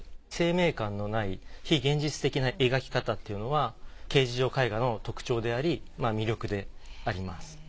生命感のない非現実的な描き方っていうのは形而上絵画の特徴であり魅力であります。